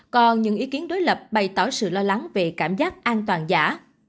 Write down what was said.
còn những ý kiến đối lập bày tỏ sự lo lắng về cảm giác an toàn giả